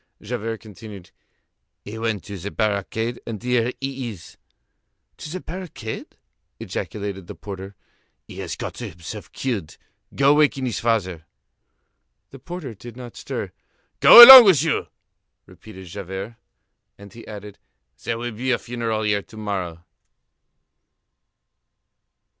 Javert continued: "He went to the barricade, and here he is." "To the barricade?" ejaculated the porter. "He has got himself killed. Go waken his father." The porter did not stir. "Go along with you!" repeated Javert. And he added: "There will be a funeral here to morrow."